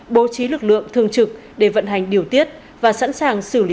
bố trí lực lượng thường trực để vận hành điều tiết và sẵn sàng xử lý